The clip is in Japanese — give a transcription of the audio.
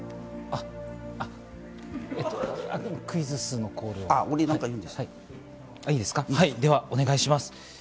クイズッスのコールをお願いします。